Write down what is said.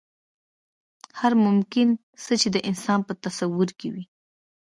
هر ممکن څه چې د انسان په تصور کې وي.